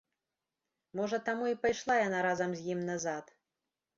Можа, таму і пайшла яна разам з ім назад.